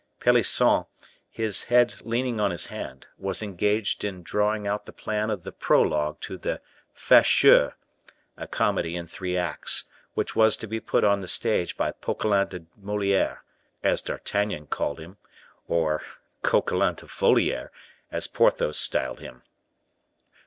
Pelisson, his head leaning on his hand, was engaged in drawing out the plan of the prologue to the "Facheux," a comedy in three acts, which was to be put on the stage by Poquelin de Moliere, as D'Artagnan called him, or Coquelin de Voliere, as Porthos styled him.